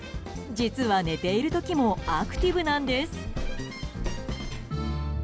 実は、寝ている時もアクティブなんです。